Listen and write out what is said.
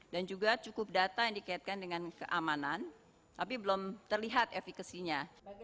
dan juga cukup data yang dikaitkan dengan keamanan tapi belum terlihat efekasinya